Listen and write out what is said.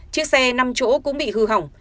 chiếc xe năm chỗ cũng bị hư hỏng